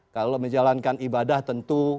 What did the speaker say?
kalau menjalankan ibadah tentu